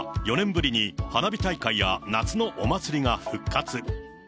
テンショことし、各地では４年ぶりに花火大会や夏のお祭りが復活。